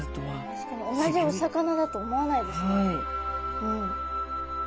確かに同じお魚だと思わないですね。